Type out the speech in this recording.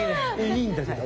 いいんだけど。